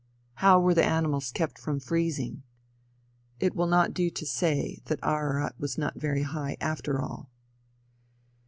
How were the animals kept from freezing? It will not do to say that Ararat was not very high after all.